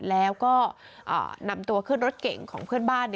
แล้วก็นำตัวขึ้นรถเก่งของเพื่อนบ้าน